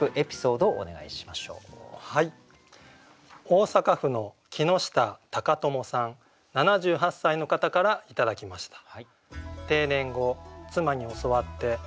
大阪府の木下貴友さん７８歳の方から頂きました。